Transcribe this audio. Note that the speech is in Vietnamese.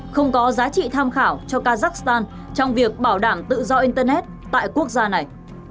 không có giá trị tham khảo cho kazakhstan trong việc bảo đảm tự do internet tại quốc gia này